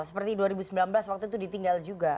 seperti dua ribu sembilan belas waktu itu ditinggal juga